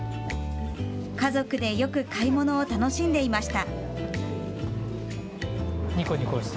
家族でよく買い物を楽しんでいました。